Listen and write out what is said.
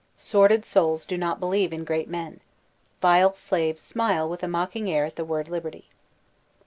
Sordid souls do not believe 8o THE SOCIAL CONTRACT in great men ; vile slaves smile with a mocking air at the word LIBERTY.